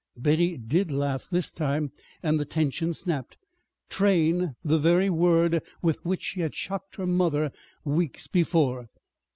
Betty did laugh this time and the tension snapped. "Train" the very word with which she had shocked her mother weeks before!